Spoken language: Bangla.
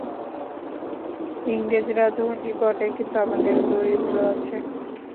ইংরেজরা ধনী বটে, কিন্তু অনেক দরিদ্র আছে।